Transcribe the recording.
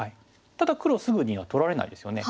ただ黒すぐには取られないですよね。